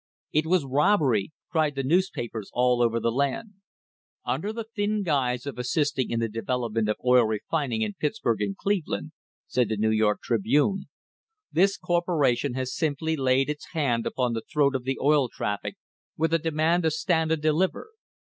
It was robbery, cried the newspapers all over the land. "Under the thin guise of assisting in the development of oil refining in Pittsburg and Cleveland," said the New York Tribune, "this corporation has simply laid its hand upon the throat of the oil traffic with a demand to 'stand and deliver.'